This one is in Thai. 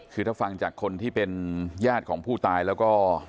คือถ้าฟังจากคนที่เป็นญาติของผู้ตายแล้วก็